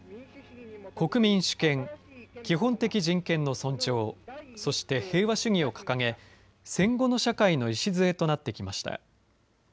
国民主権、基本的人権の尊重、そして平和主義を掲げ、戦後の社会の礎となってきました。